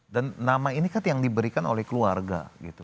dan nama ini kan yang diberikan oleh keluarga